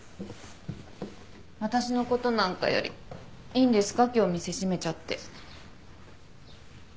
私のことなんかよりいいんですか今日店閉めちゃって。